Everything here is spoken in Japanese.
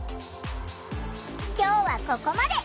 今日はここまで。